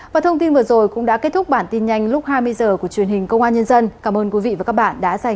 và thông tin vừa rồi cũng đã kết thúc bản tin nhanh lúc hai mươi giờ của truyền hình công an nhân dân cảm ơn quý vị và các bạn đã dành thời gian theo dõi